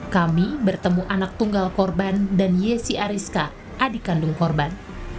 kami bertemu anak tunggal korban dan yesi ariska adik kandung korban